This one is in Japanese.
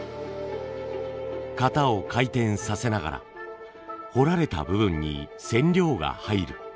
型を回転させながら彫られた部分に染料が入る。